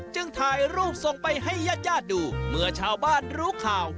จึงถ่ายรูปส่งไปให้ญาติญาติดูเมื่อชาวบ้านรู้ข่าว